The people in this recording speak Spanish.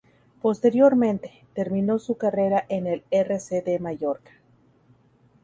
Posteriormente, terminó su carrera en el R. C. D. Mallorca.